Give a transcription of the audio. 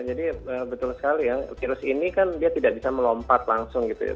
jadi betul sekali ya virus ini kan dia tidak bisa melompat langsung gitu ya